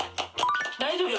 大丈夫？